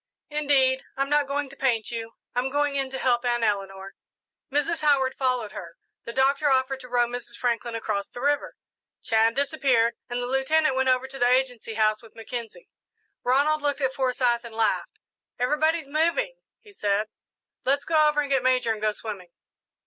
"Indeed, I'm not going to paint you. I'm going in to help Aunt Eleanor." Mrs. Howard followed her. The Doctor offered to row Mrs. Franklin across the river, Chan disappeared, and the Lieutenant went over to the Agency House with Mackenzie. Ronald looked at Forsyth and laughed. "Everybody's moving," he said. "Let's go over and get Major and go swimming."